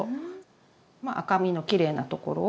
赤身のきれいなところを。